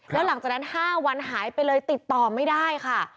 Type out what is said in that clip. แล้วหลังจากนั้น๕วันหายไปเลยติดต่อไม่ได้ค่ะ